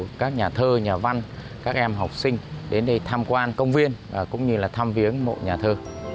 được nhiều các nhà thơ nhà văn các em học sinh đến đây tham quan công viên cũng như là tham viếng mộ nhà thơ